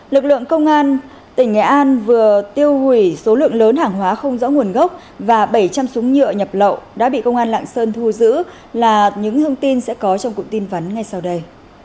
lực lượng công an tỉnh nghệ an vừa tiêu hủy số lượng lớn hàng hóa không rõ nguồn gốc và bảy trăm linh súng nhựa nhập lậu đã bị công an lạng sơn thu giữ là những thông tin sẽ có trong cụm tin vắn ngay sau đây